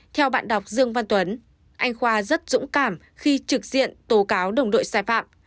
theo bạn đọc dương văn tuấn anh khoa rất dũng cảm khi trực diện tố cáo đồng đội sai phạm